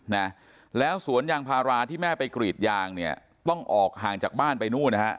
นะแล้วสวนยางพาราที่แม่ไปกรีดยางเนี่ยต้องออกห่างจากบ้านไปนู่นนะฮะ